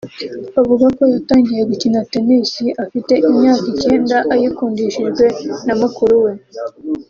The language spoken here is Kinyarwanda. avuga ko yatangiye gukina Tennis afite imyaka icyenda ayikundishijwe na mukuru we